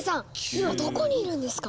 今どこにいるんですか？